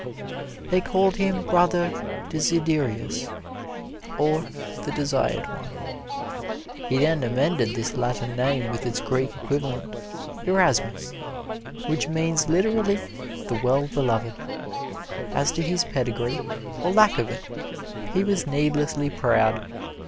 They called him Brother Desiderius, or the Desired One. He then amended this Latin name with its Greek equivalent, Erasmus, which means literally the Well Beloved. As to his pedigree, or lack of it, he was needlessly proud.